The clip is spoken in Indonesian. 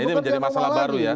ini menjadi masalah baru ya